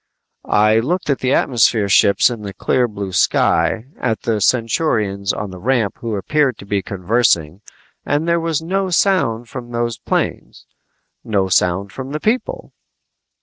I looked at the atmosphere ships in the clear blue sky, at the Centaurians on the ramp who appeared to be conversing and there was no sound from those planes, no sound from the people!